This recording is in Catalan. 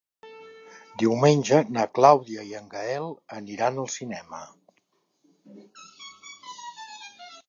Diumenge na Clàudia i en Gaël aniran al cinema.